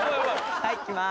はいいきます。